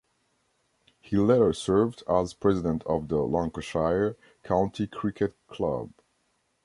He later served as president of the Lancashire County Cricket Club.